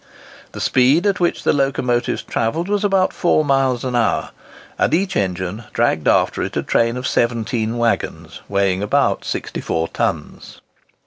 The speed at which the locomotives travelled was about 4 miles an hour, and each engine dragged after it a train of 17 waggons, weighing about 64 tons.